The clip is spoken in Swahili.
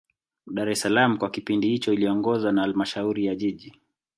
dar es salaam kwa kipindi hicho iliongozwa na halmashauri ya jiji